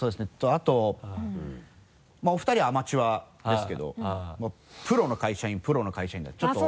あとお二人はアマチュアですけどプロの会社員プロの会社員でちょっと。